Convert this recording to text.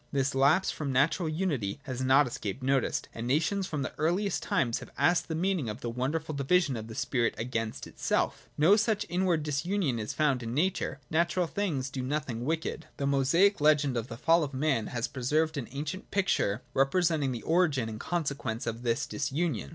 This lapse from natural unity has not escaped notice, and nations from the eariiest times have asked the meaning of the wonderful division of the spirit against itself. No such inward disunion is found in nature : natural things do nothing wicked. The Mosaic legend of the Fall of Man has preserved an ancient picture representing the origin and consequences of this disunion.